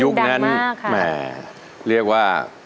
นั้นแหมเรียกว่า